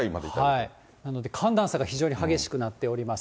なので寒暖差が非常に激しくなっております。